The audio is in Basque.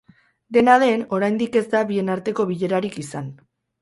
Dena den, oraindik ez da bien arteko bilerarik izan.